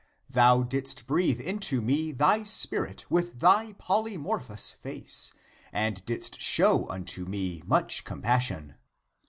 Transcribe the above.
Thou didst breathe into me thy spirit with thy polymorphous face, and didst show unto me much compassion.